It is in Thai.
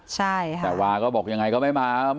แต่วาก็บอกยังไงก็ไม่มา